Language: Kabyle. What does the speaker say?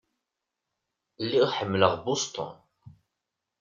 Lliɣ ḥemmleɣ Boston.